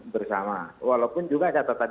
bersama walaupun juga catatan